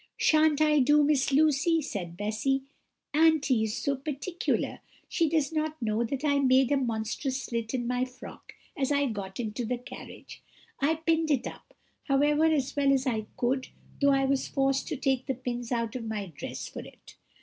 "Shan't I do, Miss Lucy?" said Bessy; "aunty is so particular; she does not know that I made a monstrous slit in my frock as I got into the carriage. I pinned it up, however, as well as I could, though I was forced to take the pins out of my dress for it.